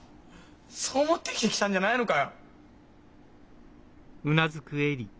そう思って生きてきたんじゃないのかよ！